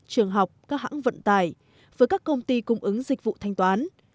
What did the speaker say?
trường học các hãng vận tải với các công ty cung ứng dịch vụ thanh toán